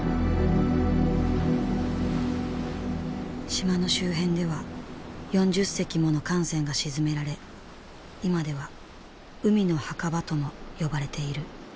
島の周辺では４０隻もの艦船が沈められ今では海の墓場とも呼ばれている。